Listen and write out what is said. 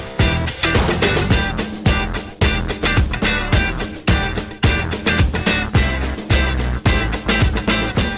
สวัสดีครับ